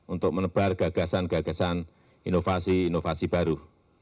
untuk menebar gagasan gagasan inovasi inovasi baru